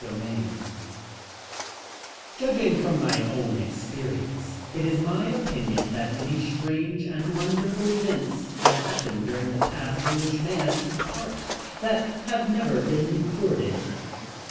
CHAPTER I Judging from my own experience it is my opinion that many strange and wonderful events have happened during the past in which man took part, that have never been recorded.